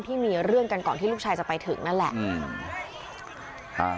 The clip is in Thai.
ที่มีเรื่องกันก่อนที่ลูกชายจะไปถึงนั่นแหละ